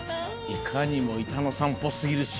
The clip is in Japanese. いかにも板野さんっぽすぎるし。